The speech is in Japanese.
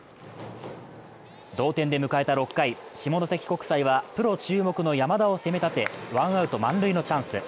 同点で迎えた６回、下関国際はプロ注目の山田を攻め立て、ワンアウト満塁のチャンス。